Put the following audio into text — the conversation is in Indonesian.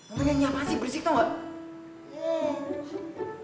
ma kamu nyanyi apaan sih berisik tau gak